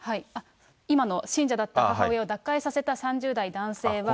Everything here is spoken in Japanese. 今の信者だった母親を脱会させた３０代男性は。